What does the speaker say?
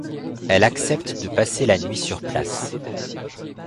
Elle accepte de passer la nuit sur place.